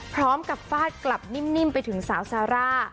พร้อมกับฟาดกลับนิ่มไปถึงสาวซาร่า